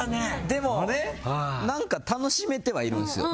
でも何か楽しめてはいるんすよ。